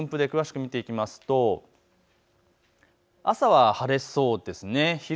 あすの天気の分布で詳しく見ていきますと朝は晴れそうですね。